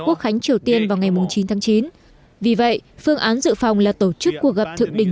quốc khánh triều tiên vào ngày chín tháng chín vì vậy phương án dự phòng là tổ chức cuộc gặp thượng đỉnh